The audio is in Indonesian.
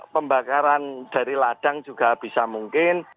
pembakaran dari ladang juga bisa mungkin